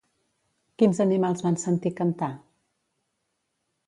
Quins animals van sentir cantar?